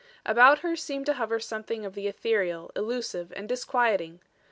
About her seemed to hover something of the ethereal, elusive, and disquieting.